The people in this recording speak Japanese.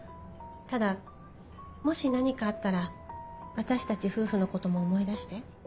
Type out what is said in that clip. ただもし何かあったら私たち夫婦のことも思い出して。